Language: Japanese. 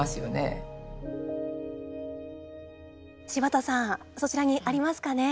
柴田さんそちらにありますかね？